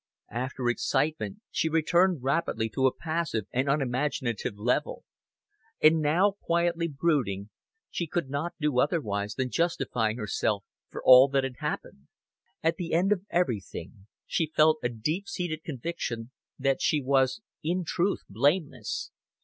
After excitement she returned rapidly to a passive and unimaginative level; and now, quietly brooding, she could not do otherwise than justify herself for all that had happened. At the end of everything she felt a deep seated conviction that she was in truth blameless.